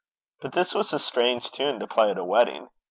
But this was a strange tune to play at a wedding!